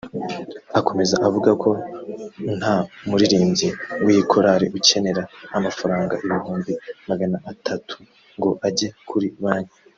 Akomeza avuga ko nta muririmbyi w’iyi korali ukenera amafaranga ibihumbi magana atatu ngo ajye kuri Banki